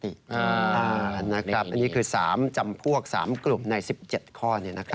อ๋อนี่คือ๓จำพวก๓กลุ่มใน๑๗ข้อนี้นะครับ